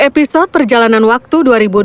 perjalanan waktu dua